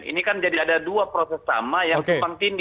ini kan jadi ada dua proses sama yang tumpang tindih